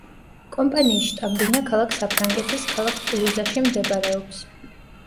კომპანიის შტაბ-ბინა ქალაქ საფრანგეთის ქალაქ ტულუზაში მდებარეობს.